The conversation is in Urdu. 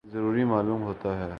یہ ضروری معلوم ہوتا ہے